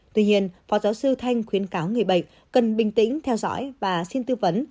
tuy nhiên phó giáo sư thanh khuyến cáo người bệnh cần bình tĩnh theo dõi và xin tư vấn